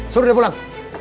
suruh dia pulang